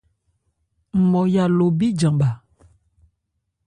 Nmɔya lo bíjan bha.